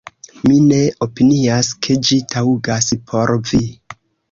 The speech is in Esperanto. Mi ne opinias, ke ĝi taŭgas por vi"".